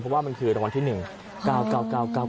เพราะว่ามันคือตะวันที่หนึ่ง๙๙๙๙๙๗อ่า